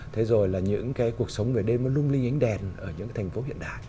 thế rồi là những cuộc sống về đêm nó lung linh ánh đèn ở những thành phố hiện đại